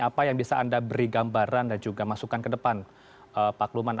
apa yang bisa anda beri gambaran dan juga masukan ke depan pak kluman